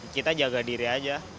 kita jaga diri aja